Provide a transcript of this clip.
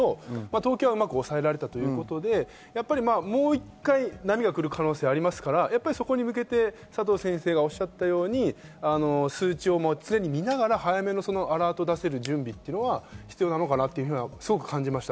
東京はうまく抑えられたということ、もう一回、波が来る可能性がありますからそこに向けて佐藤先生がおっしゃったように数値を見ながら早めのアラートを出せる準備をする必要があるのかなと感じました。